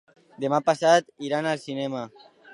Demà passat iran al cinema.